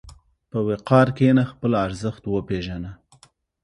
په وقار کښېنه، خپل ارزښت وپېژنه.